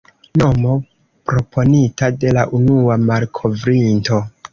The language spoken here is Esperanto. Nomo proponita de la unua malkovrinto.